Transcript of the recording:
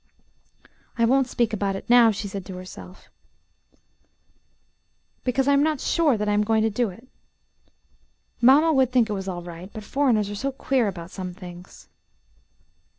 "I won't speak about it now," she said to herself, "because I am not sure that I am going to do it. Mamma would think it was all right, but foreigners are so queer about some things."